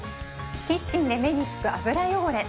キッチンで目につく油汚れ